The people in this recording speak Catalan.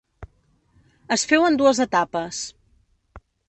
Es féu en dues etapes.